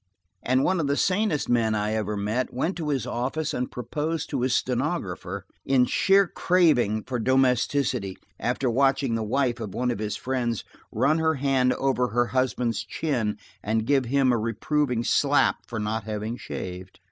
And one of the sanest men I ever met went to his office and proposed to his stenographer in sheer craving for domesticity, after watching the wife of one of his friends run her hand over her husband's chin and give him a reproving slap for not having shaved!